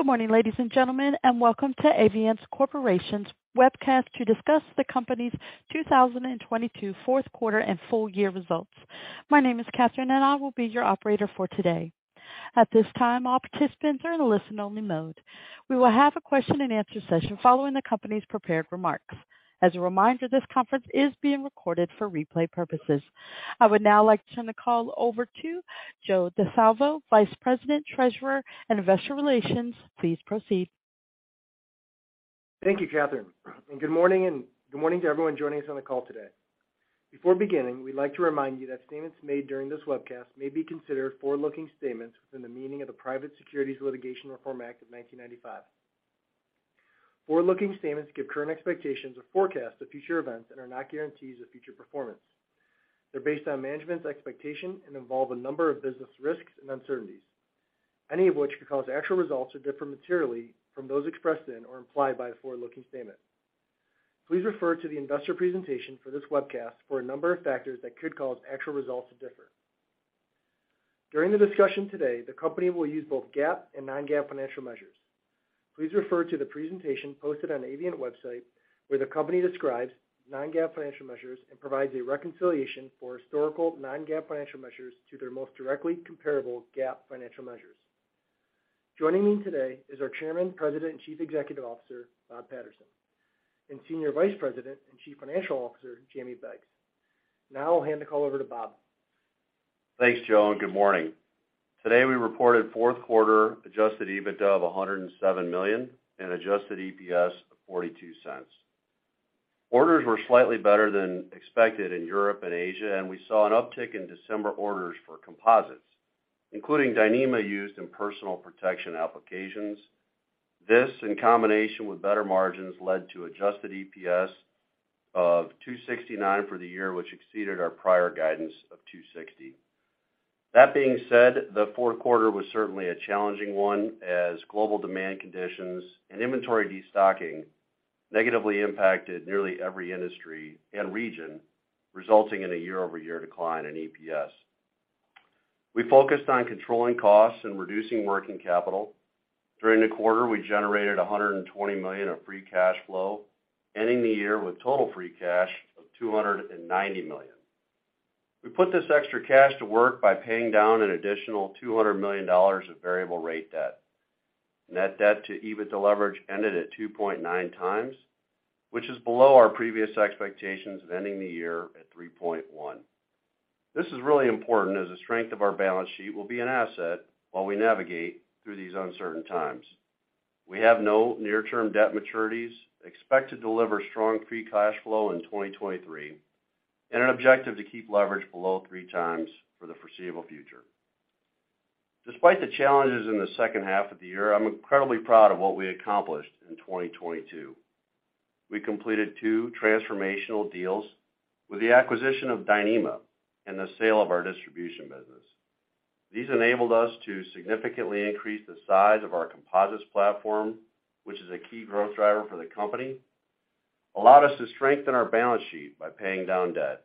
Good morning, ladies and gentlemen. Welcome to Avient Corporation's webcast to discuss the company's 2022 Q4 and full year results. My name is Catherine. I will be your operator for today. At this time, all participants are in listen only mode. We will have a question and answer session following the company's prepared remarks. As a reminder, this conference is being recorded for replay purposes. I would now like to turn the call over to Joe Di Salvo, Vice President, Treasurer, and Investor Relations. Please proceed. Thank you, Catherine, and good morning, and good morning to everyone joining us on the call today. Before beginning, we'd like to remind you that statements made during this webcast may be considered forward-looking statements within the meaning of the Private Securities Litigation Reform Act of 1995. Forward-looking statements give current expectations or forecasts of future events and are not guarantees of future performance. They're based on management's expectations and involve a number of business risks and uncertainties, any of which could cause actual results to differ materially from those expressed in or implied by a forward-looking statement. Please refer to the investor presentation for this webcast for a number of factors that could cause actual results to differ. During the discussion today, the company will use both GAAP and non-GAAP financial measures. Please refer to the presentation posted on Avient website, where the company describes non-GAAP financial measures and provides a reconciliation for historical non-GAAP financial measures to their most directly comparable GAAP financial measures. Joining me today is our Chairman, President, and Chief Executive Officer, Bob Patterson, and Senior Vice President and Chief Financial Officer, Jamie Beggs. Now I'll hand the call over to Bob. Thanks, Joe, and good morning. Today, we reported Q4 adjusted EBITDA of $107 million and adjusted EPS of $0.42. Orders were slightly better than expected in Europe and Asia, and we saw an uptick in December orders for composites, including Dyneema used in personal protection applications. This, in combination with better margins, led to adjusted EPS of $2.69 for the year, which exceeded our prior guidance of $2.60. That being said, the Q4 was certainly a challenging one as global demand conditions and inventory destocking negatively impacted nearly every industry and region, resulting in a year-over-year decline in EPS. We focused on controlling costs and reducing working capital. During the quarter, we generated $120 million of free cash flow, ending the year with total free cash of $290 million. We put this extra cash to work by paying down an additional $200 million of variable rate debt. Net debt to EBITDA leverage ended at 2.9 times, which is below our previous expectations of ending the year at 3.1. This is really important as the strength of our balance sheet will be an asset while we navigate through these uncertain times. We have no near-term debt maturities, expect to deliver strong free cash flow in 2023, and an objective to keep leverage below 3 times for the foreseeable future. Despite the challenges in the H2 of the year, I'm incredibly proud of what we accomplished in 2022. We completed two transformational deals with the acquisition of Dyneema and the sale of our distribution business. These enabled us to significantly increase the size of our composites platform, which is a key growth driver for the company, allowed us to strengthen our balance sheet by paying down debt,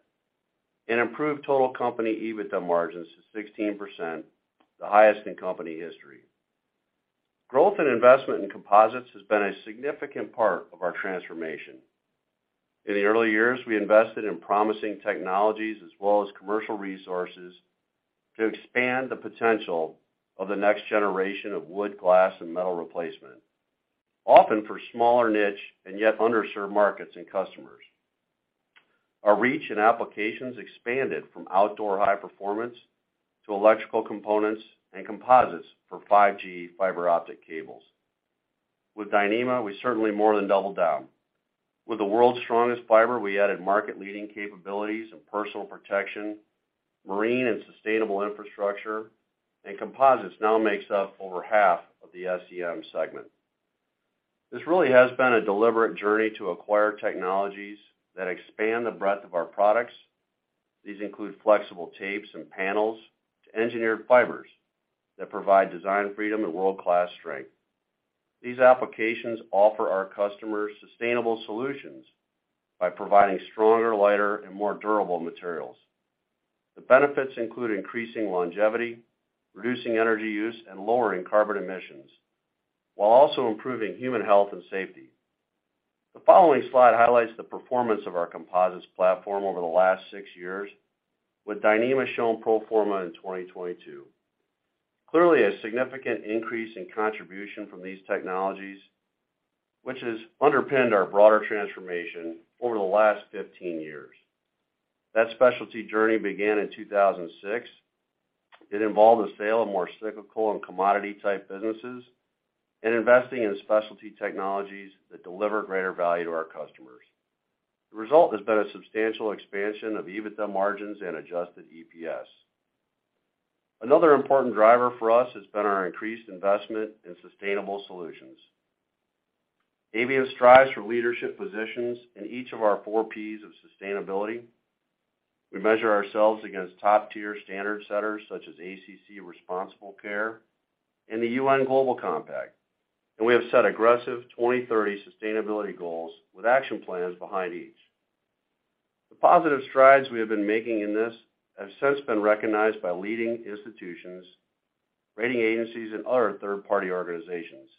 and improved total company EBITDA margins to 16%, the highest in company history. Growth and investment in composites has been a significant part of our transformation. In the early years, we invested in promising technologies as well as commercial resources to expand the potential of the next generation of wood, glass, and metal replacement, often for smaller niche and yet underserved markets and customers. Our reach and applications expanded from outdoor high performance to electrical components and composites for 5G fiber optic cables. With Dyneema, we certainly more than doubled down. With the world's strongest fiber, we added market-leading capabilities in personal protection, marine and sustainable infrastructure, and composites now makes up over half of the SEM segment. This really has been a deliberate journey to acquire technologies that expand the breadth of our products. These include flexible tapes and panels to engineered fibers that provide design freedom and world-class strength. These applications offer our customers sustainable solutions by providing stronger, lighter, and more durable materials. The benefits include increasing longevity, reducing energy use, and lowering carbon emissions, while also improving human health and safety. The following slide highlights the performance of our composites platform over the last six years, with Dyneema shown pro forma in 2022. Clearly a significant increase in contribution from these technologies, which has underpinned our broader transformation over the last 15 years. That specialty journey began in 2006. It involved the sale of more cyclical and commodity-type businesses and investing in specialty technologies that deliver greater value to our customers. The result has been a substantial expansion of EBITDA margins and adjusted EPS. Another important driver for us has been our increased investment in sustainable solutions. Avient strives for leadership positions in each of our four Ps of sustainability. We measure ourselves against top-tier standard setters such as ACC Responsible Care and the UN Global Compact. We have set aggressive 2030 sustainability goals with action plans behind each. The positive strides we have been making in this have since been recognized by leading institutions, rating agencies, and other third-party organizations.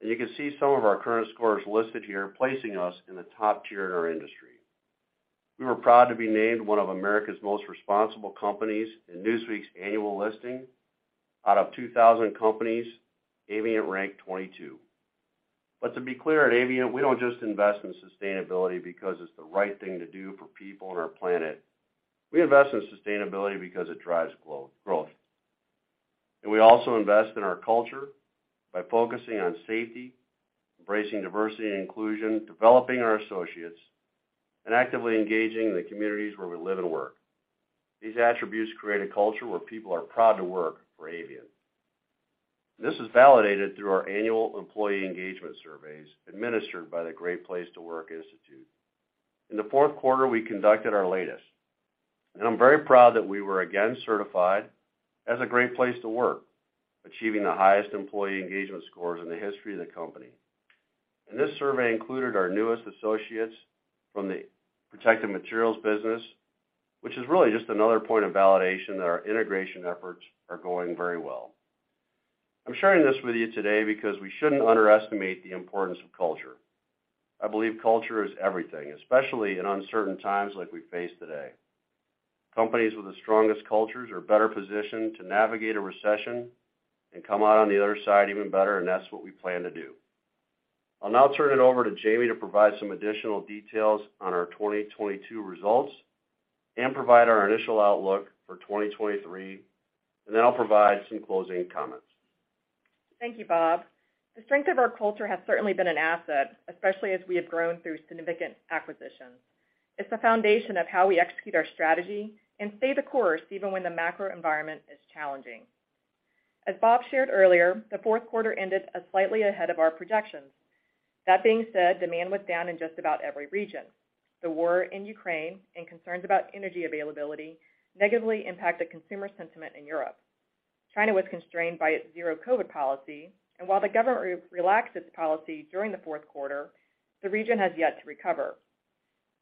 You can see some of our current scores listed here, placing us in the top tier in our industry. We were proud to be named one of America's most responsible companies in Newsweek's annual listing. Out of 2,000 companies, Avient ranked 22. To be clear, at Avient, we don't just invest in sustainability because it's the right thing to do for people on our planet. We invest in sustainability because it drives growth. We also invest in our culture by focusing on safety, embracing diversity and inclusion, developing our associates, and actively engaging in the communities where we live and work. These attributes create a culture where people are proud to work for Avient. This is validated through our annual employee engagement surveys administered by the Great Place To Work Institute. In the Q4, we conducted our latest, and I'm very proud that we were again certified as a great place to work, achieving the highest employee engagement scores in the history of the company. This survey included our newest associates from the Protective Materials business, which is really just another point of validation that our integration efforts are going very well. I'm sharing this with you today because we shouldn't underestimate the importance of culture. I believe culture is everything, especially in uncertain times like we face today. Companies with the strongest cultures are better positioned to navigate a recession and come out on the other side even better, and that's what we plan to do. I'll now turn it over to Jamie to provide some additional details on our 2022 results and provide our initial outlook for 2023, and then I'll provide some closing comments. Thank you, Bob. The strength of our culture has certainly been an asset, especially as we have grown through significant acquisitions. It's the foundation of how we execute our strategy and stay the course even when the macro environment is challenging. As Bob shared earlier, the Q4 ended as slightly ahead of our projections. That being said, demand was down in just about every region. The war in Ukraine and concerns about energy availability negatively impacted consumer sentiment in Europe. China was constrained by its zero COVID policy, while the government relaxed its policy during the Q4, the region has yet to recover.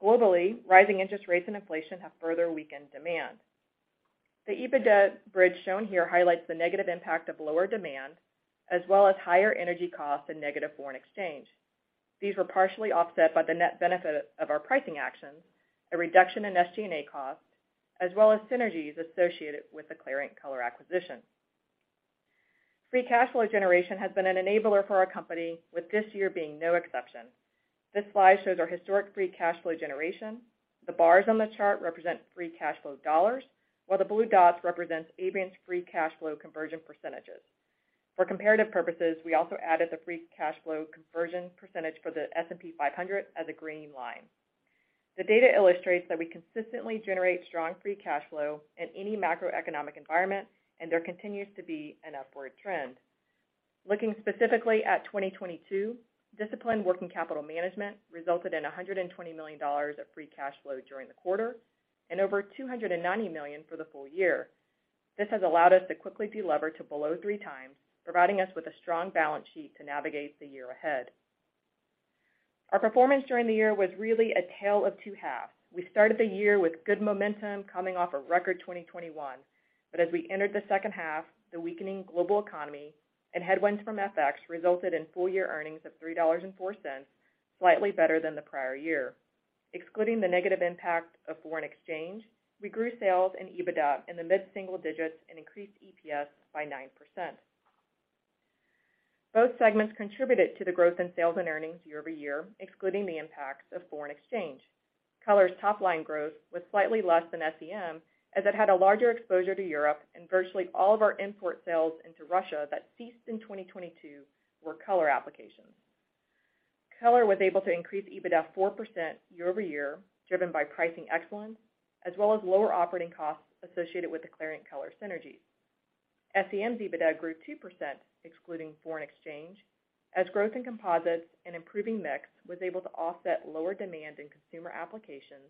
Globally, rising interest rates and inflation have further weakened demand. The EBITDA bridge shown here highlights the negative impact of lower demand as well as higher energy costs and negative foreign exchange. These were partially offset by the net benefit of our pricing actions, a reduction in SG&A costs, as well as synergies associated with the Clariant Colors acquisition. Free cash flow generation has been an enabler for our company, with this year being no exception. This slide shows our historic free cash flow generation. The bars on the chart represent free cash flow dollars, while the blue dots represents Avient's free cash flow conversion %. For comparative purposes, we also added the free cash flow conversion % for the S&P 500 as a green line. The data illustrates that we consistently generate strong free cash flow in any macroeconomic environment. There continues to be an upward trend. Looking specifically at 2022, disciplined working capital management resulted in $120 million of free cash flow during the quarter and over $290 million for the full year. This has allowed us to quickly delever to below 3 times, providing us with a strong balance sheet to navigate the year ahead. Our performance during the year was really a tale of two halves. We started the year with good momentum coming off a record 2021. As we entered the H2, the weakening global economy and headwinds from FX resulted in full year earnings of $3.04, slightly better than the prior year. Excluding the negative impact of foreign exchange, we grew sales and EBITDA in the mid-single digits and increased EPS by 9%. Both segments contributed to the growth in sales and earnings year-over-year, excluding the impacts of foreign exchange. Color's top line growth was slightly less than SEM, as it had a larger exposure to Europe and virtually all of our import sales into Russia that ceased in 2022 were Color applications. Color was able to increase EBITDA 4% year-over-year, driven by pricing excellence, as well as lower operating costs associated with the Clariant Color synergies. SEM's EBITDA grew 2%, excluding foreign exchange, as growth in composites and improving mix was able to offset lower demand in consumer applications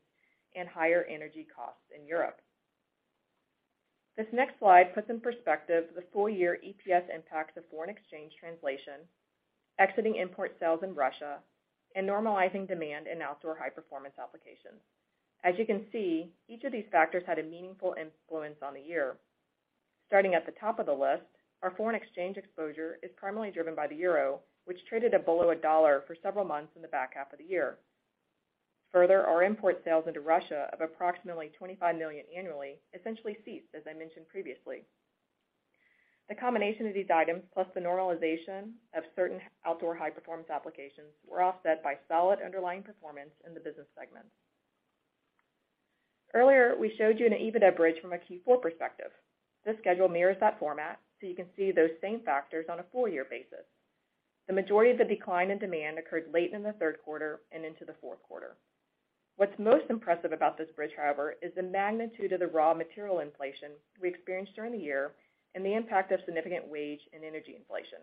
and higher energy costs in Europe. This next slide puts in perspective the full year EPS impacts of foreign exchange translation, exiting import sales in Russia, and normalizing demand in outdoor high-performance applications. As you can see, each of these factors had a meaningful influence on the year. Starting at the top of the list, our foreign exchange exposure is primarily driven by the euro, which traded at below a dollar for several months in the back half of the year. Further, our import sales into Russia of approximately $25 million annually essentially ceased, as I mentioned previously. The combination of these items, plus the normalization of certain outdoor high-performance applications, were offset by solid underlying performance in the business segments. Earlier, we showed you an EBITDA bridge from a Q4 perspective. This schedule mirrors that format, so you can see those same factors on a full year basis. The majority of the decline in demand occurred late in the Q3 and into the Q4. What's most impressive about this bridge, however, is the magnitude of the raw material inflation we experienced during the year and the impact of significant wage and energy inflation.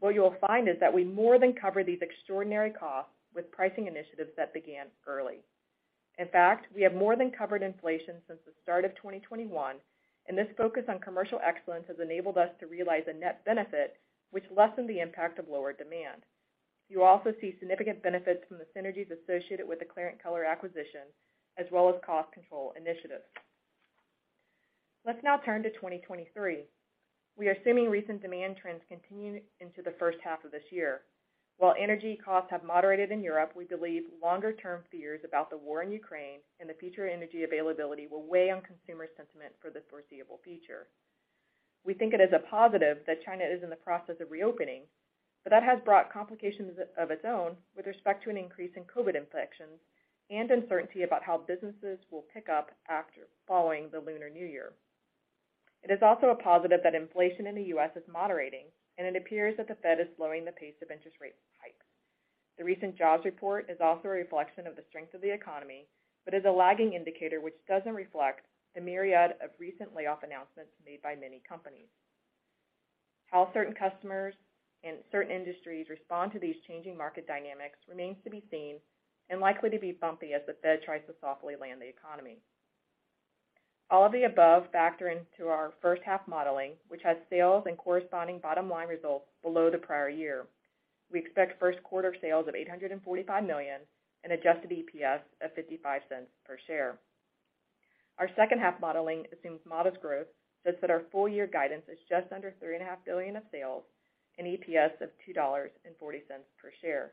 What you will find is that we more than covered these extraordinary costs with pricing initiatives that began early. In fact, we have more than covered inflation since the start of 2021. This focus on commercial excellence has enabled us to realize a net benefit which lessened the impact of lower demand. You also see significant benefits from the synergies associated with the Clariant Color acquisition, as well as cost control initiatives. Let's now turn to 2023. We are assuming recent demand trends continuing into the H1 of this year. While energy costs have moderated in Europe, we believe longer-term fears about the war in Ukraine and the future energy availability will weigh on consumer sentiment for the foreseeable future. That has brought complications of its own with respect to an increase in COVID infections and uncertainty about how businesses will pick up after following the Lunar New Year. Also a positive that inflation in the U.S. is moderating, and it appears that the Fed is slowing the pace of interest rate hikes. Recent jobs report is also a reflection of the strength of the economy, but is a lagging indicator which doesn't reflect the myriad of recent layoff announcements made by many companies. How certain customers in certain industries respond to these changing market dynamics remains to be seen and likely to be bumpy as the Fed tries to softly land the economy. All of the above factor into our H1 modeling, which has sales and corresponding bottom line results below the prior year. We expect Q1 sales of $845 million and adjusted EPS of $0.55 per share. Our H2 modeling assumes modest growth such that our full year guidance is just under $ three and a half billion of sales and EPS of $2.40 per share.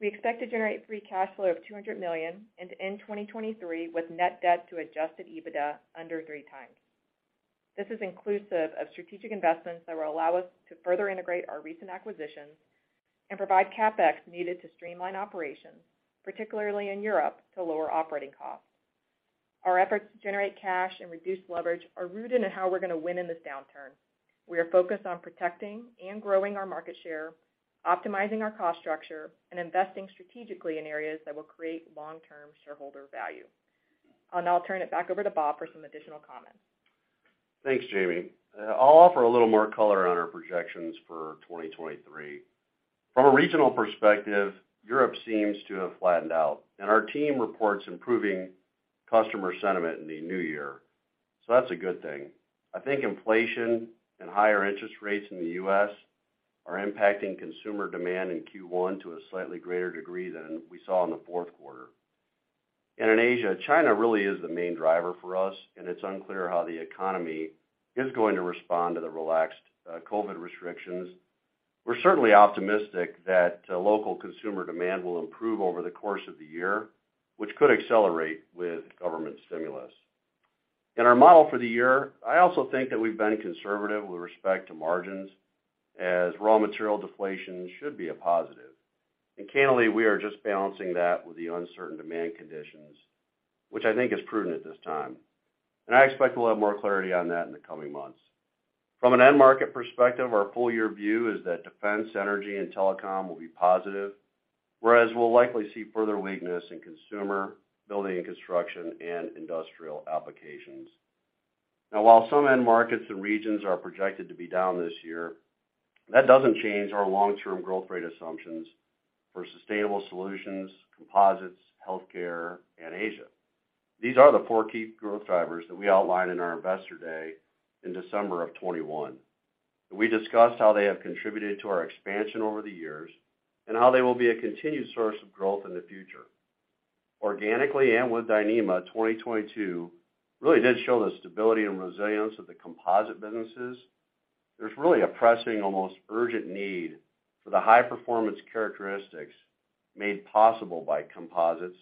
We expect to generate free cash flow of $200 million and to end 2023 with net debt to adjusted EBITDA under 3 times. This is inclusive of strategic investments that will allow us to further integrate our recent acquisitions and provide CapEx needed to streamline operations, particularly in Europe, to lower operating costs. Our efforts to generate cash and reduce leverage are rooted in how we're gonna win in this downturn. We are focused on protecting and growing our market share, optimizing our cost structure, and investing strategically in areas that will create long-term shareholder value. I'll now turn it back over to Bob for some additional comments. Thanks, Jamie. I'll offer a little more color on our projections for 2023. From a regional perspective, Europe seems to have flattened out, our team reports improving customer sentiment in the new year. That's a good thing. I think inflation and higher interest rates in the U.S. are impacting consumer demand in Q1 to a slightly greater degree than we saw in the Q4. In Asia, China really is the main driver for us, and it's unclear how the economy is going to respond to the relaxed COVID restrictions. We're certainly optimistic that local consumer demand will improve over the course of the year, which could accelerate with government stimulus. In our model for the year, I also think that we've been conservative with respect to margins as raw material deflation should be a positive. Candidly, we are just balancing that with the uncertain demand conditions, which I think is prudent at this time. I expect we'll have more clarity on that in the coming months. From an end market perspective, our full year view is that defense, energy, and telecom will be positive, whereas we'll likely see further weakness in consumer, building and construction, and industrial applications. While some end markets and regions are projected to be down this year, that doesn't change our long-term growth rate assumptions for sustainable solutions, composites, healthcare, and Asia. These are the four key growth drivers that we outlined in our Investor Day in December of 2021. We discussed how they have contributed to our expansion over the years, and how they will be a continued source of growth in the future. Organically with Dyneema, 2022 really did show the stability and resilience of the composite businesses. There's really a pressing, almost urgent need for the high-performance characteristics made possible by composites,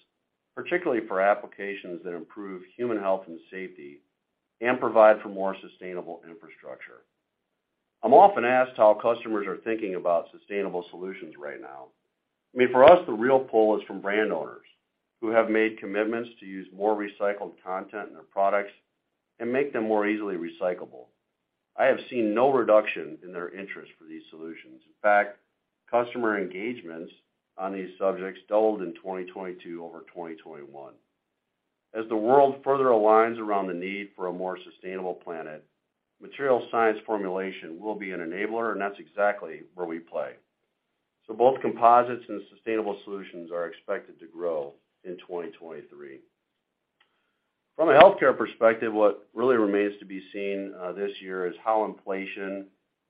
particularly for applications that improve human health and safety and provide for more sustainable infrastructure. I'm often asked how customers are thinking about sustainable solutions right now. I mean, for us, the real pull is from brand owners who have made commitments to use more recycled content in their products and make them more easily recyclable. I have seen no reduction in their interest for these solutions. In fact, customer engagements on these subjects doubled in 2022 over 2021. As the world further aligns around the need for a more sustainable planet, material science formulation will be an enabler, and that's exactly where we play. Both composites and sustainable solutions are expected to grow in 2023. From a healthcare perspective, what really remains to be seen this year is how inflation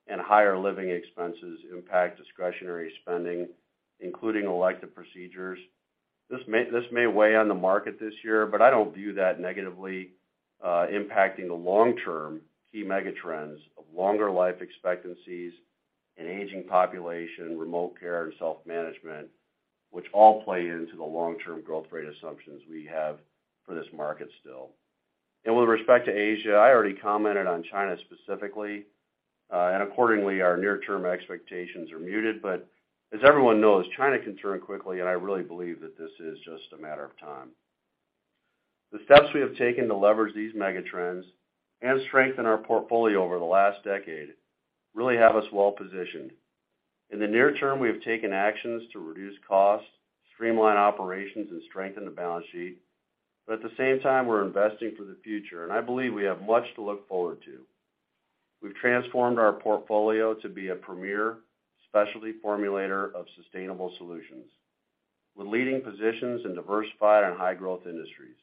and higher living expenses impact discretionary spending, including elective procedures. This may weigh on the market this year, but I don't view that negatively impacting the long-term key megatrends of longer life expectancies, an aging population, remote care, and self-management, which all play into the long-term growth rate assumptions we have for this market still. With respect to Asia, I already commented on China specifically, and accordingly, our near-term expectations are muted. As everyone knows, China can turn quickly, and I really believe that this is just a matter of time. The steps we have taken to leverage these megatrends and strengthen our portfolio over the last decade really have us well positioned. In the near term, we have taken actions to reduce costs, streamline operations, and strengthen the balance sheet. At the same time, we're investing for the future, and I believe we have much to look forward to. We've transformed our portfolio to be a premier specialty formulator of sustainable solutions with leading positions in diversified and high-growth industries.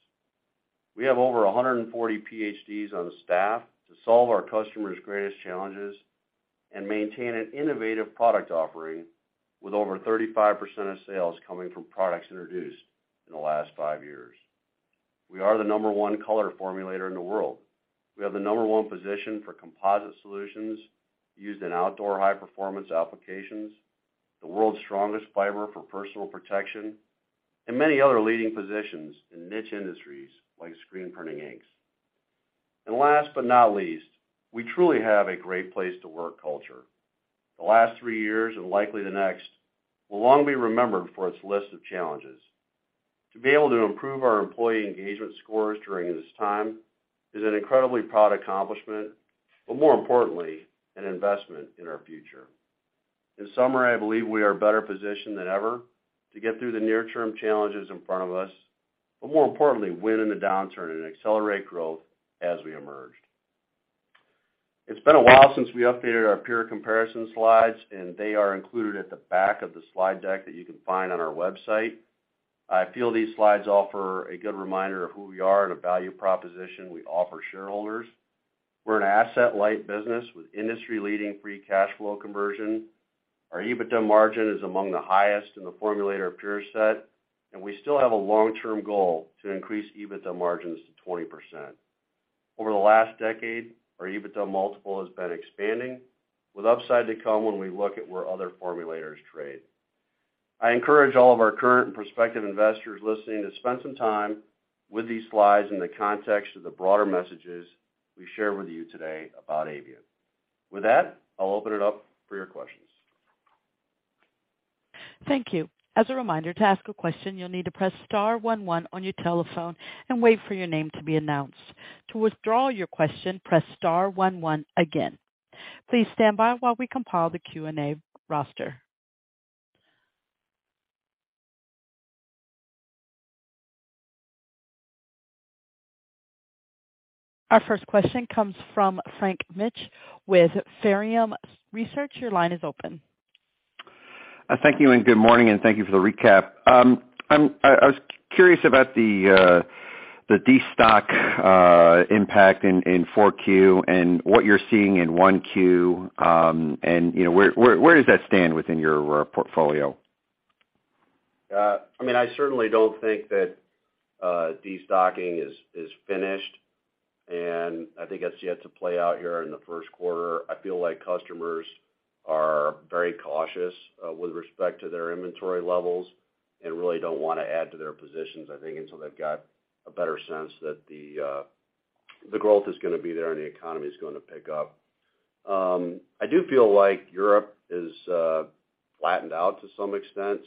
We have over 140 PhDs on staff to solve our customers' greatest challenges and maintain an innovative product offering with over 35% of sales coming from products introduced in the last 5 years. We are the number one color formulator in the world. We have the number one position for composite solutions used in outdoor high-performance applications, the world's strongest fiber for personal protection, and many other leading positions in niche industries like screen printing inks. Last but not least, we truly have a great place to work culture. The last 3 years, and likely the next, will long be remembered for its list of challenges. To be able to improve our employee engagement scores during this time is an incredibly proud accomplishment, but more importantly, an investment in our future. In summary, I believe we are better positioned than ever to get through the near-term challenges in front of us, but more importantly, win in the downturn and accelerate growth as we emerged. It's been a while since we updated our peer comparison slides, and they are included at the back of the slide deck that you can find on our website. I feel these slides offer a good reminder of who we are and the value proposition we offer shareholders. We're an asset-light business with industry-leading free cash flow conversion. Our EBITDA margin is among the highest in the formulator peer set, and we still have a long-term goal to increase EBITDA margins to 20%. Over the last decade, our EBITDA multiple has been expanding, with upside to come when we look at where other formulators trade. I encourage all of our current and prospective investors listening to spend some time with these slides in the context of the broader messages we share with you today about Avient. With that, I'll open it up for your questions. Thank you. As a reminder, to ask a question, you'll need to press star one one on your telephone and wait for your name to be announced. To withdraw your question, press star one one again. Please stand by while we compile the Q&A roster. Our first question comes from Frank Mitsch with Fermium Research. Your line is open. Thank you and good morning. Thank you for the recap. I was curious about the destock impact in 4Q and what you're seeing in 1Q, you know, where does that stand within your portfolio? I mean, I certainly don't think that destocking is finished, and I think that's yet to play out here in the Q1. I feel like customers are very cautious with respect to their inventory levels and really don't wanna add to their positions, I think, until they've got a better sense that the growth is gonna be there and the economy is gonna pick up. I do feel like Europe is flattened out to some extent.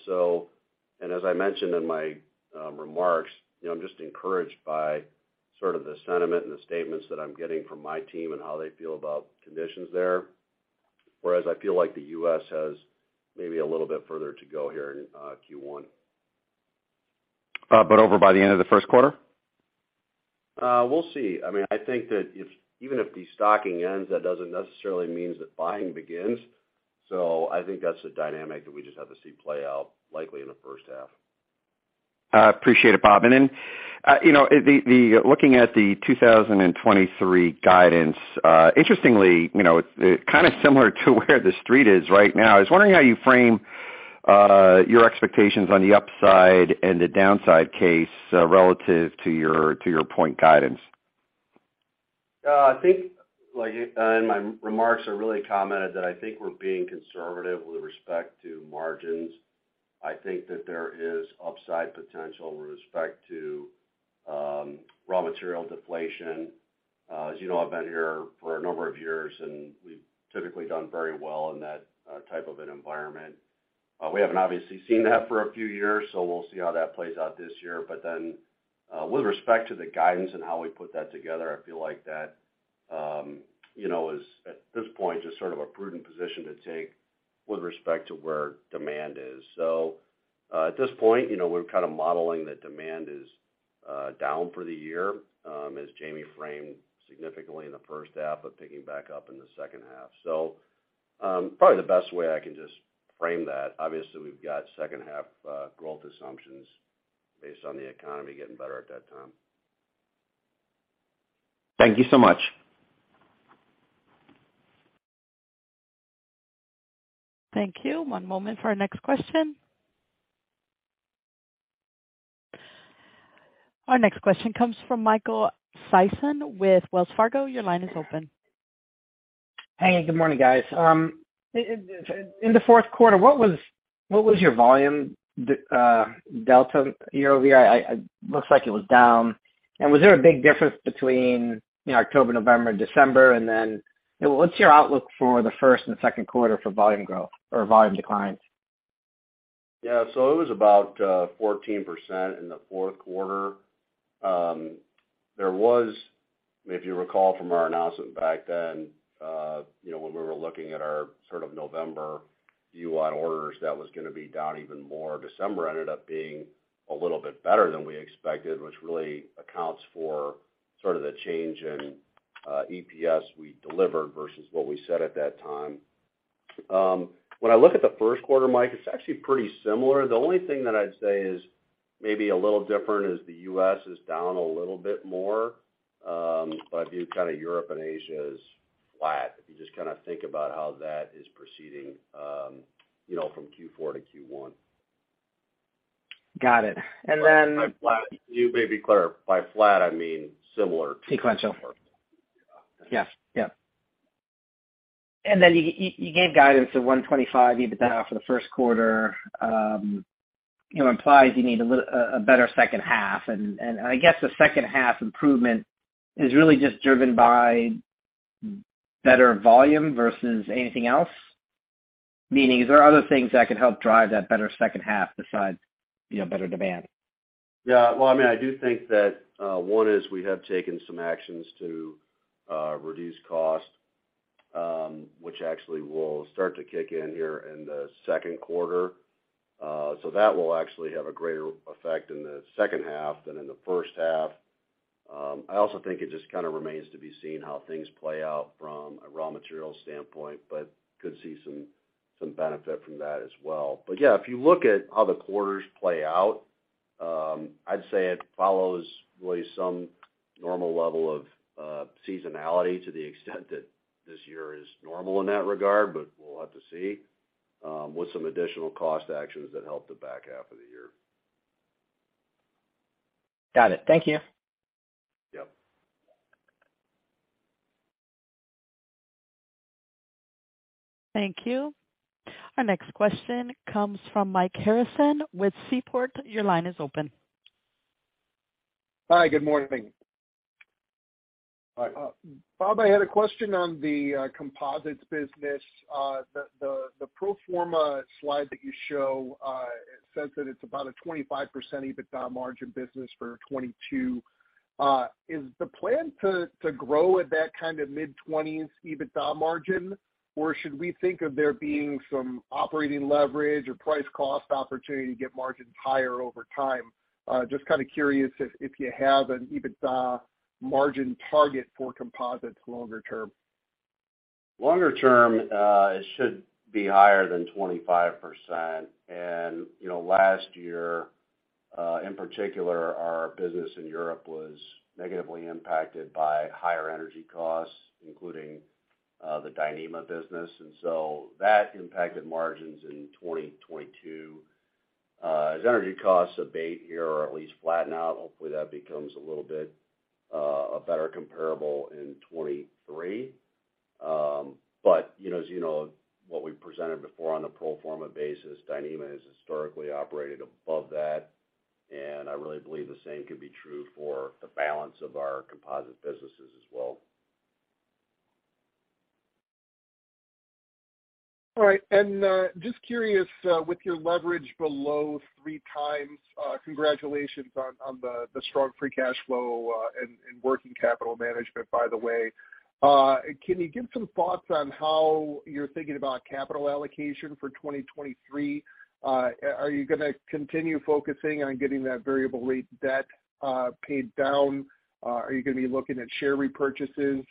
As I mentioned in my remarks, you know, I'm just encouraged by sort of the sentiment and the statements that I'm getting from my team and how they feel about conditions there. Whereas I feel like the U.S. has maybe a little bit further to go here in Q1. over by the end of the Q1? We'll see. I mean, I think that even if destocking ends, that doesn't necessarily means that buying begins. I think that's a dynamic that we just have to see play out likely in the H1. Appreciate it, Bob. you know, the looking at the 2023 guidance, interestingly, you know, it's kind of similar to where the street is right now. I was wondering how you frame your expectations on the upside and the downside case, relative to your point guidance. I think, like, in my remarks, I really commented that I think we're being conservative with respect to margins. I think that there is upside potential with respect to raw material deflation. As you know, I've been here for a number of years, and we've typically done very well in that type of an environment. We haven't obviously seen that for a few years, so we'll see how that plays out this year. With respect to the guidance and how we put that together, I feel like that, you know, is at this point, just sort of a prudent position to take with respect to where demand is. At this point, you know, we're kind of modeling that demand is down for the year, as Jamie framed significantly in the H1, but picking back up in the H2. Probably the best way I can just frame that, obviously, we've got H2 growth assumptions based on the economy getting better at that time. Thank you so much. Thank you. One moment for our next question. Our next question comes from Michael Sison with Wells Fargo. Your line is open. Hey, good morning, guys. In the Q4, what was your volume delta year-over-year? I looks like it was down. Was there a big difference between, you know, October, November, December? Then, what's your outlook for the Q1 and Q2 for volume growth or volume declines? Yeah. It was about 14% in the Q4. There was, if you recall from our announcement back then, you know, when we were looking at our sort of November UI orders, that was gonna be down even more. December ended up being a little bit better than we expected, which really accounts for sort of the change in EPS we delivered versus what we said at that time. When I look at the Q1, Mike, it's actually pretty similar. The only thing that I'd say is maybe a little different is the U.S. is down a little bit more, but I view kind of Europe and Asia as flat, if you just kinda think about how that is proceeding, you know, from Q4 to Q1. Got it. By flat. To maybe clear, by flat I mean similar- Sequential. Yeah. Yes. Yeah. Then you gave guidance of $125 million EBITDA for the Q1, you know, implies you need a better H2. I guess the H2 improvement is really just driven by better volume versus anything else? Meaning, is there other things that could help drive that better H2 besides, you know, better demand? Yeah. Well, I mean, I do think that one is we have taken some actions to reduce cost, which actually will start to kick in here in the Q2. That will actually have a greater effect in the H2 than in the H1. I also think it just kind of remains to be seen how things play out from a raw material standpoint, but could see some benefit from that as well. Yeah, if you look at how the quarters play out, I'd say it follows really some normal level of seasonality to the extent that this year is normal in that regard, but we'll have to see, with some additional cost actions that help the back half of the year. Got it. Thank you. Yep. Thank you. Our next question comes from Mike Harrison with Seaport. Your line is open. Hi, good morning. Hi. Bob, I had a question on the composites business. The pro forma slide that you show, it says that it's about a 25% EBITDA margin business for 2022. Is the plan to grow at that kind of mid-20s EBITDA margin, or should we think of there being some operating leverage or price cost opportunity to get margins higher over time? Just kind of curious if you have an EBITDA margin target for composites longer term. Longer term, it should be higher than 25%. You know, last year, in particular, our business in Europe was negatively impacted by higher energy costs, including the Dyneema business. That impacted margins in 2022. As energy costs abate here or at least flatten out, hopefully that becomes a little bit a better comparable in 2023. You know, as you know, what we presented before on a pro forma basis, Dyneema has historically operated above that, and I really believe the same could be true for the balance of our composite businesses as well. All right. Just curious, with your leverage below three times, congratulations on the strong free cash flow, and working capital management, by the way. Can you give some thoughts on how you're thinking about capital allocation for 2023? Are you gonna continue focusing on getting that variable rate debt paid down? Are you gonna be looking at share repurchases?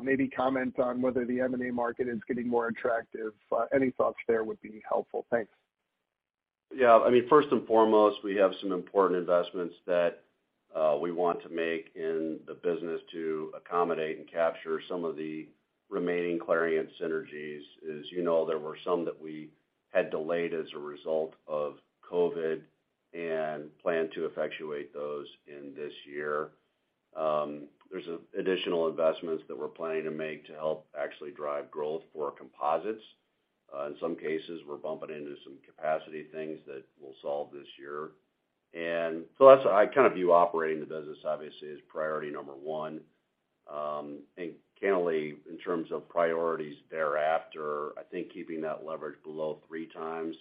Maybe comment on whether the M&A market is getting more attractive. Any thoughts there would be helpful. Thanks. I mean, first and foremost, we have some important investments that we want to make in the business to accommodate and capture some of the remaining Clariant synergies. As you know, there were some that we had delayed as a result of COVID and plan to effectuate those in this year. There's additional investments that we're planning to make to help actually drive growth for composites. In some cases, we're bumping into some capacity things that we'll solve this year. That's why I kind of view operating the business obviously as priority number one. And candidly, in terms of priorities thereafter, I think keeping that leverage below 3 times,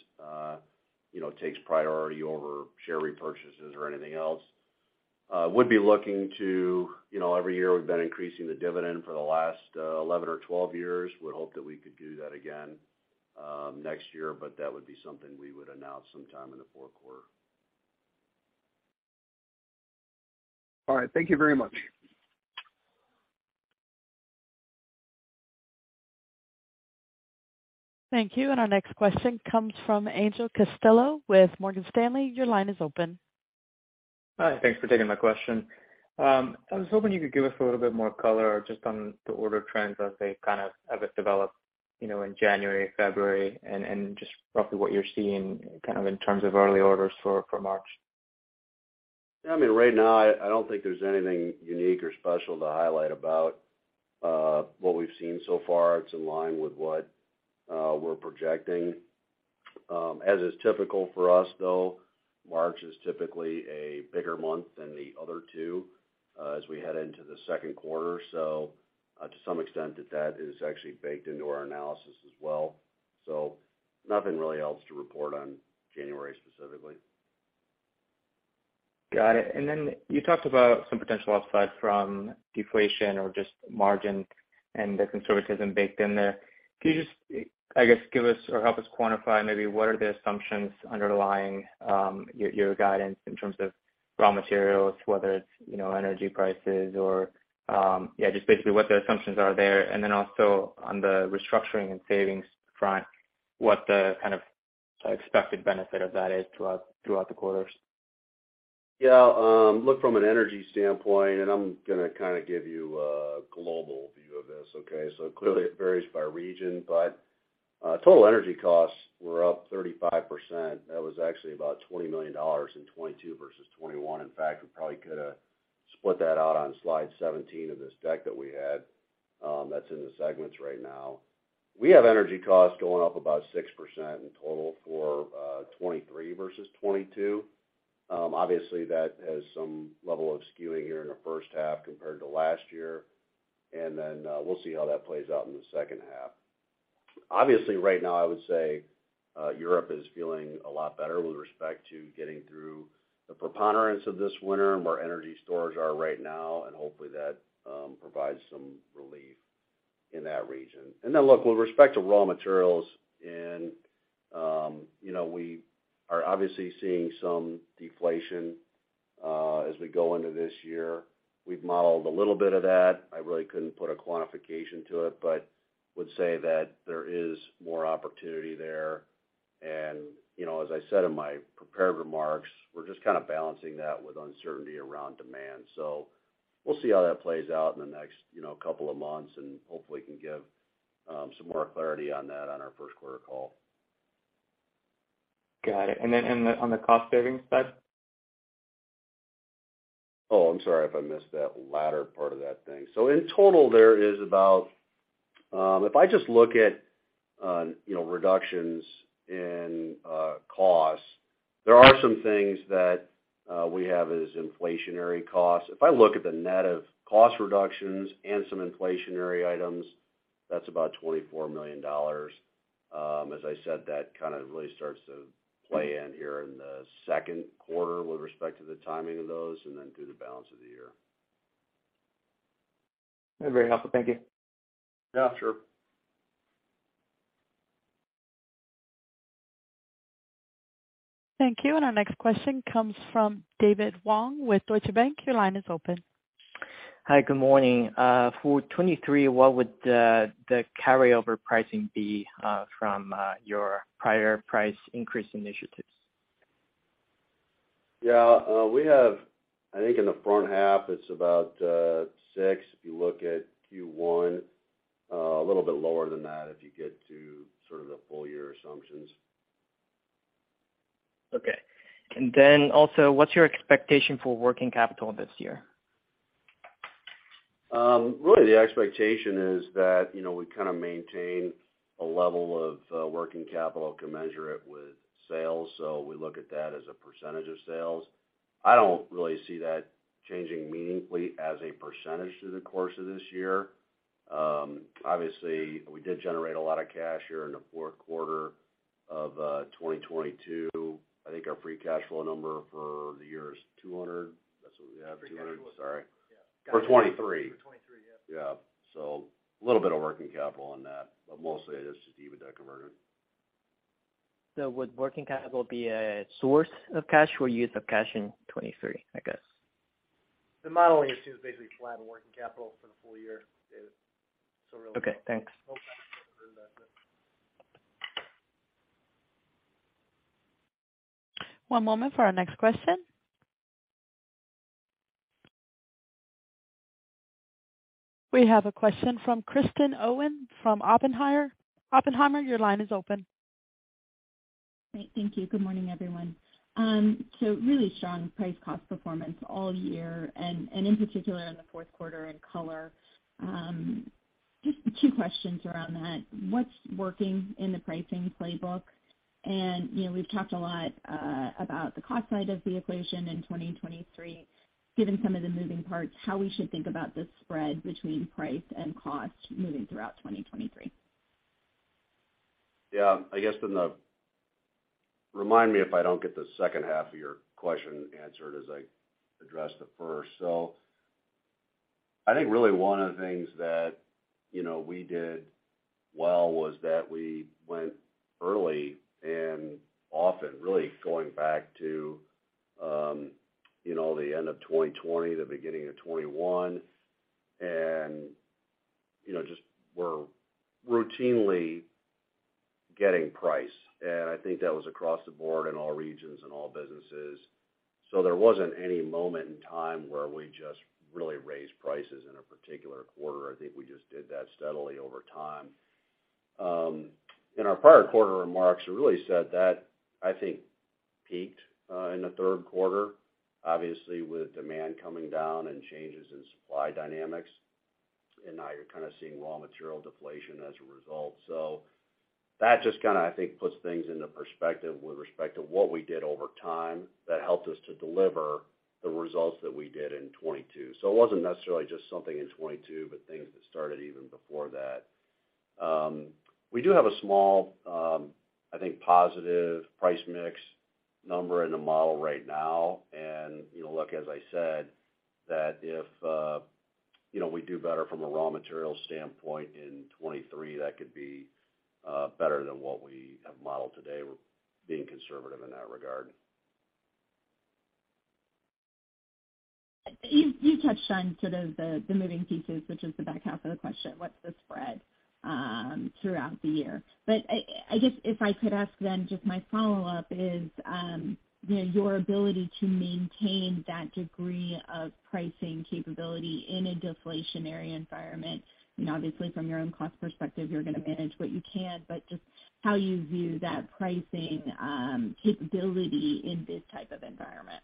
you know, takes priority over share repurchases or anything else. Would be looking to, you know, every year we've been increasing the dividend for the last 11 or 12 years. Would hope that we could do that again, next year. That would be something we would announce sometime in the Q4. All right. Thank you very much. Thank you. Our next question comes from Angel Castillo with Morgan Stanley. Your line is open. Hi. Thanks for taking my question. I was hoping you could give us a little bit more color just on the order trends as they kind of have developed, you know, in January, February, and just roughly what you're seeing kind of in terms of early orders for March. Yeah. I mean, right now I don't think there's anything unique or special to highlight about what we've seen so far. It's in line with what we're projecting. As is typical for us though, March is typically a bigger month than the other two as we head into the Q2. To some extent that is actually baked into our analysis as well. Nothing really else to report on January specifically. Got it. Then you talked about some potential upside from deflation or just margin and the conservatism baked in there. Can you just, I guess, give us or help us quantify maybe what are the assumptions underlying your guidance in terms of raw materials, whether it's, you know, energy prices. Yeah, just basically what the assumptions are there. Then also on the restructuring and savings front, what the kind of expected benefit of that is throughout the quarters? Look from an energy standpoint, and I'm gonna kinda give you a global view of this, okay? Clearly it varies by region, but total energy costs were up 35%. That was actually about $20 million in 2022 versus 2021. In fact, we probably could have split that out on slide 17 of this deck that we had, that's in the segments right now. We have energy costs going up about 6% in total for 2023 versus 2022. Obviously that has some level of skewing here in the H1 compared to last year. We'll see how that plays out in the H2. Obviously, right now I would say, Europe is feeling a lot better with respect to getting through the preponderance of this winter and where energy storage are right now, and hopefully that provides some relief in that region. Look, with respect to raw materials and, you know, we are obviously seeing some deflation as we go into this year. We've modeled a little bit of that. I really couldn't put a quantification to it, but would say that there is more opportunity there, and, you know, as I said in my prepared remarks, we're just kinda balancing that with uncertainty around demand. We'll see how that plays out in the next, you know, couple of months, and hopefully can give some more clarity on that on our Q1 call. Got it. On the cost savings side? Oh, I'm sorry if I missed that latter part of that thing. In total, there is about, if I just look at, you know, reductions in costs, there are some things that we have as inflationary costs. If I look at the net of cost reductions and some inflationary items, that's about $24 million. As I said, that kind of really starts to play in here in the Q2 with respect to the timing of those, and then through the balance of the year. Very helpful. Thank you. Yeah, sure. Thank you. Our next question comes from David Huang with Deutsche Bank. Your line is open. Hi, good morning. For 2023, what would the carryover pricing be from your prior price increase initiatives? Yeah, I think in the front half it's about 6, if you look at Q1. A little bit lower than that if you get to sort of the full year assumptions. Okay. Then also, what's your expectation for working capital this year? Really the expectation is that, you know, we kind of maintain a level of working capital, can measure it with sales, so we look at that as a percentage of sales. I don't really see that changing meaningfully as a percentage through the course of this year. Obviously we did generate a lot of cash here in the Q4 of 2022. I think our free cash flow number for the year is $200 million. That's what we have, $200 million? Sorry. Free cash flow. For 2023. For 2023, yeah. Yeah. A little bit of working capital in that, but mostly it is just even debt converted. Would working capital be a source of cash or use of cash in 2023, I guess? The modeling assumes basically flat working capital for the full year, David. Okay, thanks. No capital reinvestment. One moment for our next question. We have a question from Kristen Owen from Oppenheimer, your line is open. Great. Thank you. Good morning, everyone. Really strong price cost performance all year and in particular in the Q4 in Color. Just two questions around that. What's working in the pricing playbook? You know, we've talked a lot about the cost side of the equation in 2023. Given some of the moving parts, how we should think about the spread between price and cost moving throughout 2023. Yeah. I guess, remind me if I don't get the H2 of your question answered as I address the first. I think really one of the things that, you know, we did well was that we went early and often, really going back to, you know, the end of 2020, the beginning of 2021, and, you know, just we're routinely getting price. I think that was across the board in all regions and all businesses. There wasn't any moment in time where we just really raised prices in a particular quarter. I think we just did that steadily over time. In our prior quarter remarks, we really said that, I think, peaked in the Q3, obviously with demand coming down and changes in supply dynamics, and now you're kind of seeing raw material deflation as a result. That just kinda, I think, puts things into perspective with respect to what we did over time that helped us to deliver the results that we did in 2022. It wasn't necessarily just something in 2022, but things that started even before that. We do have a small, I think, positive price mix number in the model right now. You know, look, as I said, that if, you know, we do better from a raw material standpoint in 2023 that could be better than what we have modeled today. We're being conservative in that regard. You touched on sort of the moving pieces, which is the back half of the question, what's the spread throughout the year? I guess if I could ask then just my follow-up is, you know, your ability to maintain that degree of pricing capability in a deflationary environment. You know, obviously from your own cost perspective, you're gonna manage what you can, but just how you view that pricing capability in this type of environment.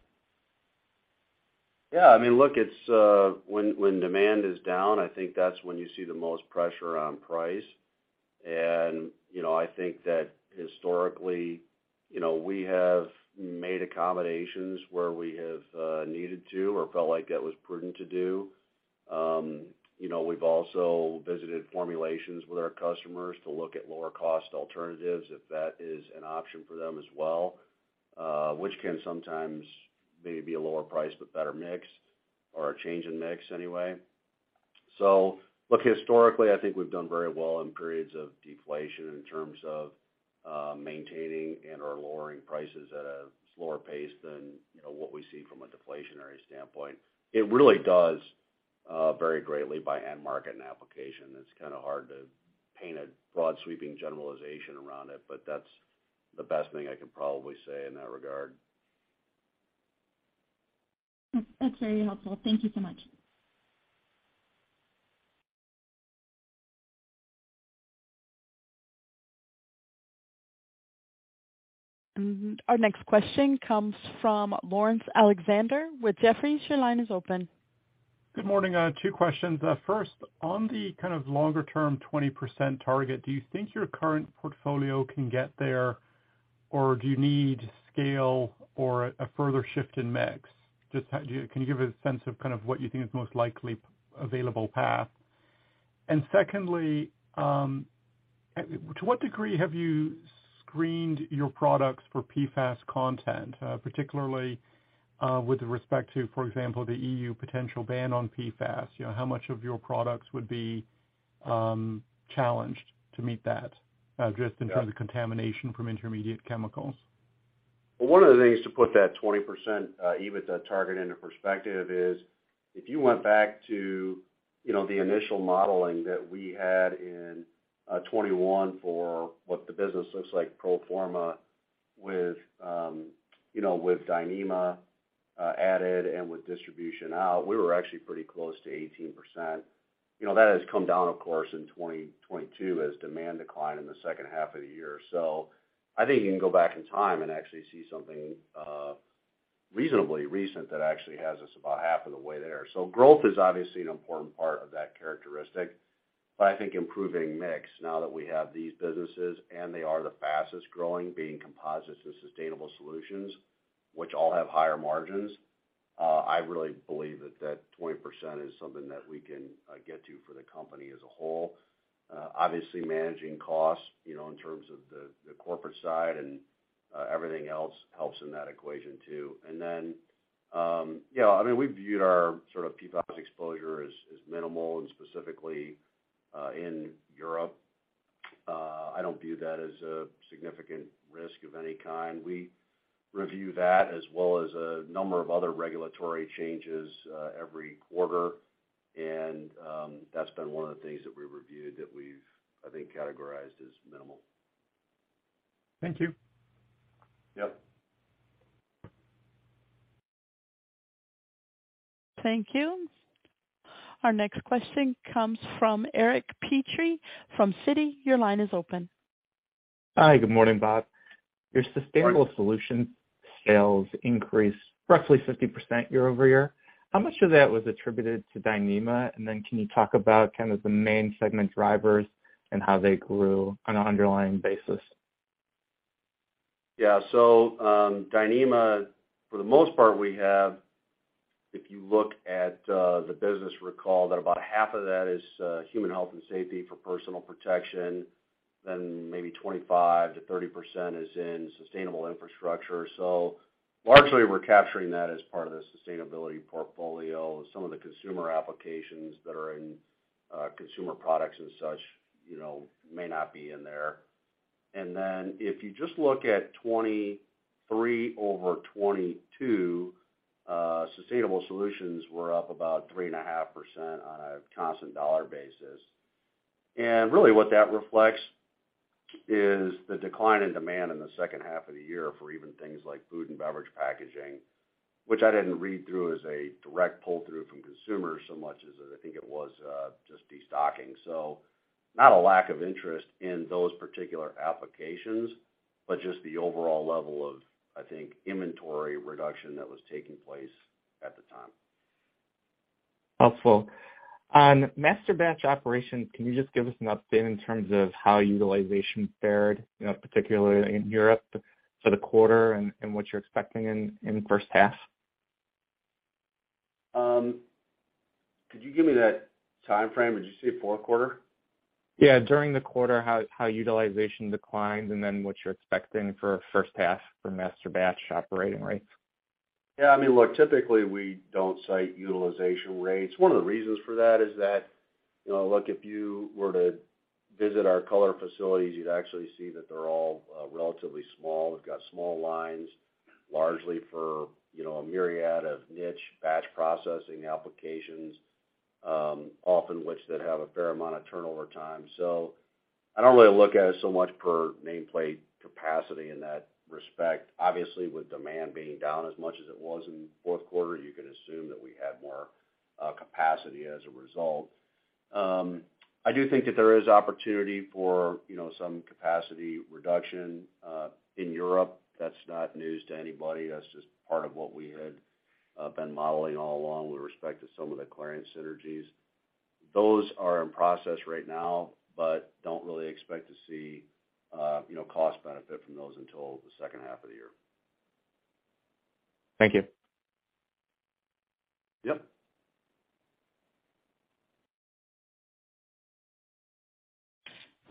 I mean, look, it's when demand is down, I think that's when you see the most pressure on price. You know, I think that historically, you know, we have made accommodations where we have needed to or felt like that was prudent to do. You know, we've also visited formulations with our customers to look at lower cost alternatives, if that is an option for them as well, which can sometimes may be a lower price, but better mix or a change in mix anyway. Look, historically, I think we've done very well in periods of deflation in terms of maintaining and/or lowering prices at a slower pace than, you know, what we see from a deflationary standpoint. It really does vary greatly by end market and application. It's kinda hard to paint a broad, sweeping generalization around it, but that's the best thing I can probably say in that regard. That's very helpful. Thank you so much. Our next question comes from Laurence Alexander with Jefferies. Your line is open. Good morning. I have two questions. First, on the kind of longer term 20% target, do you think your current portfolio can get there, or do you need scale or a further shift in mix? Just can you give a sense of kind of what you think is most likely available path? Secondly, to what degree have you screened your products for PFAS content, particularly with respect to, for example, the EU potential ban on PFAS? You know, how much of your products would be challenged to meet that, just in terms of contamination from intermediate chemicals? One of the things to put that 20% EBITDA target into perspective is if you went back to, you know, the initial modeling that we had in 2021 for what the business looks like pro forma with, you know, with Dyneema added and with distribution out, we were actually pretty close to 18%. You know, that has come down, of course, in 2022 as demand declined in the H2 of the year. I think you can go back in time and actually see something reasonably recent that actually has us about half of the way there. Growth is obviously an important part of that characteristic. I think improving mix now that we have these businesses and they are the fastest-growing, being composites and sustainable solutions, which all have higher margins, I really believe that that 20% is something that we can get to for the company as a whole. Obviously managing costs, you know, in terms of the corporate side and everything else helps in that equation too. Yeah, I mean, we viewed our sort of PFAS exposure as minimal and specifically in Europe. I don't view that as a significant risk of any kind. We review that as well as a number of other regulatory changes every quarter. That's been one of the things that we reviewed that we've, I think, categorized as minimal. Thank you. Yep. Thank you. Our next question comes from Eric Petrie from Citi. Your line is open. Hi. Good morning, Bob. Your sustainable solution sales increased roughly 50% year-over-year. How much of that was attributed to Dyneema? Can you talk about kind of the main segment drivers and how they grew on an underlying basis? Yeah. Dyneema, for the most part, we have, if you look at, the business recall, that about half of that is human health and safety for personal protection, then maybe 25%-30% is in sustainable infrastructure. Largely, we're capturing that as part of the sustainability portfolio. Some of the consumer applications that are in, consumer products and such, you know, may not be in there. If you just look at 2023 over 2022, sustainable solutions were up about 3.5% on a constant dollar basis. Really what that reflects is the decline in demand in the H2 of the year for even things like food and beverage packaging, which I didn't read through as a direct pull-through from consumers so much as I think it was just destocking. Not a lack of interest in those particular applications, but just the overall level of, I think, inventory reduction that was taking place at the time. Helpful. On master batch operations, can you just give us an update in terms of how utilization fared, you know, particularly in Europe for the quarter and what you're expecting in the H1? could you give me that timeframe? Did you say Q4? Yeah. During the quarter, how utilization declined, what you're expecting for first half for masterbatch operating rates? Yeah, I mean, look, typically, we don't cite utilization rates. One of the reasons for that is that, you know, look, if you were to visit our color facilities, you'd actually see that they're all relatively small. They've got small lines, largely for, you know, a myriad of niche batch processing applications, often which that have a fair amount of turnover time. I don't really look at it so much per nameplate capacity in that respect. Obviously, with demand being down as much as it was in Q4, you could assume that we had more capacity as a result. I do think that there is opportunity for, you know, some capacity reduction in Europe. That's not news to anybody. That's just part of what we had been modeling all along with respect to some of the Clariant synergies. Those are in process right now, but don't really expect to see, you know, cost benefit from those until the H2 of the year. Thank you. Yep.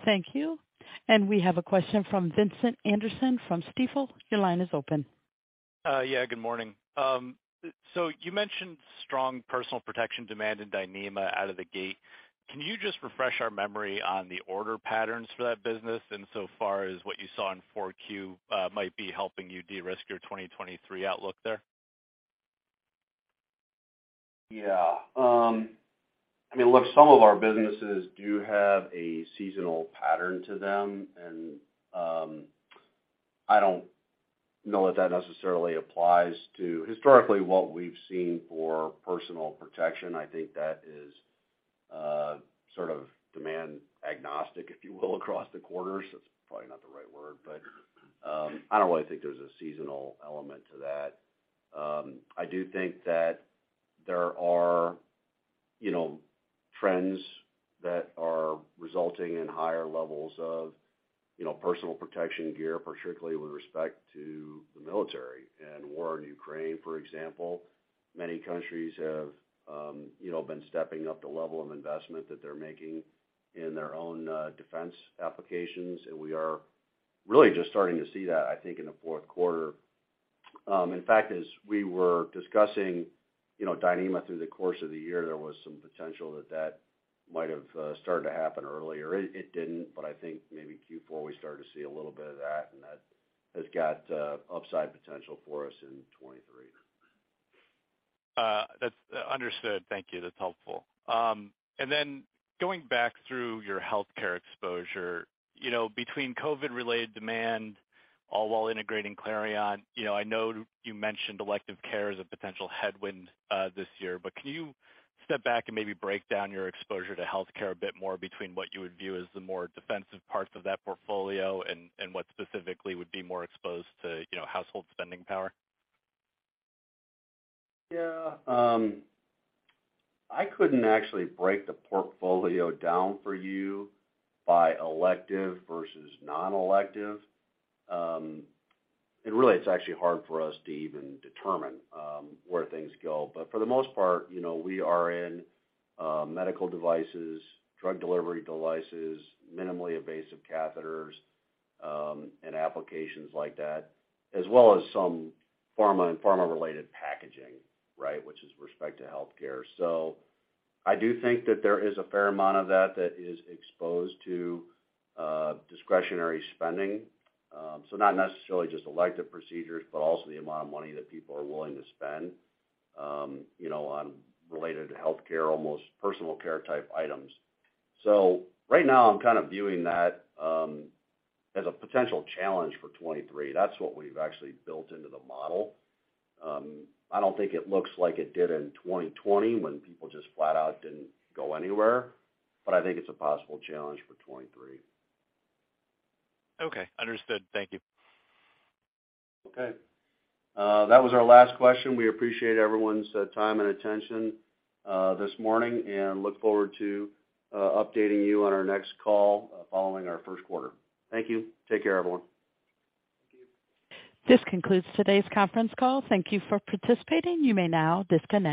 Thank you. We have a question from Vincent Anderson from Stifel. Your line is open. Yeah, good morning. You mentioned strong personal protection demand in Dyneema out of the gate. Can you just refresh our memory on the order patterns for that business, and so far as what you saw in Q4 might be helping you de-risk your 2023 outlook there? Yeah. I mean, look, some of our businesses do have a seasonal pattern to them, and I don't know that that necessarily applies to historically what we've seen for personal protection. I think that is sort of demand agnostic, if you will, across the quarters. That's probably not the right word, but I don't really think there's a seasonal element to that. I do think that there are, you know, trends that are resulting in higher levels of, you know, personal protection gear, particularly with respect to the military and war in Ukraine, for example. Many countries have, you know, been stepping up the level of investment that they're making in their own defense applications. We are really just starting to see that, I think, in the Q4. In fact, as we were discussing, you know, Dyneema through the course of the year, there was some potential that that might have started to happen earlier. It didn't, but I think maybe Q4, we started to see a little bit of that, and that has got upside potential for us in 23. That's understood. Thank you. That's helpful. Going back through your healthcare exposure, you know, between COVID-related demand, all while integrating Clariant, you know, I know you mentioned elective care as a potential headwind, this year, but can you step back and maybe break down your exposure to healthcare a bit more between what you would view as the more defensive parts of that portfolio and what specifically would be more exposed to, you know, household spending power? Yeah. I couldn't actually break the portfolio down for you by elective versus non-elective. Really, it's actually hard for us to even determine where things go. For the most part, you know, we are in medical devices, drug delivery devices, minimally invasive catheters, and applications like that, as well as some pharma and pharma-related packaging, right, which is with respect to healthcare. I do think that there is a fair amount of that that is exposed to discretionary spending. Not necessarily just elective procedures, but also the amount of money that people are willing to spend, you know, on related healthcare, almost personal care-type items. Right now I'm kind of viewing that as a potential challenge for 23. That's what we've actually built into the model. I don't think it looks like it did in 2020 when people just flat out didn't go anywhere. I think it's a possible challenge for 2023. Okay, understood. Thank you. Okay. That was our last question. We appreciate everyone's time and attention this morning, and look forward to updating you on our next call following our Q1. Thank you. Take care, everyone. This concludes today's conference call. Thank you for participating. You may now disconnect.